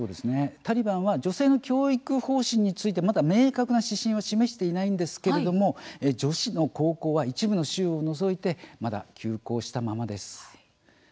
タリバンは女性の教育方針についてまだ明確な指針を示していないんですけれども女子高校は一部の州を除いて今も休校したままです。